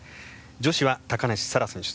女子は高梨沙羅選手。